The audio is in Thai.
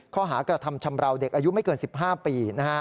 ข้อหากระทำชำราวเด็กอายุไม่เกิน๑๕ปี